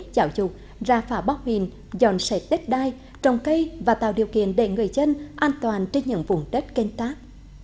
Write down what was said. giáo dục ra phá bóc hình dọn sạch đất đai trồng cây và tạo điều kiện để người dân an toàn trên những vùng đất kênh tác